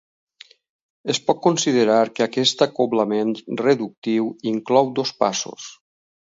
Es pot considerar que aquest acoblament reductiu inclou dos passos.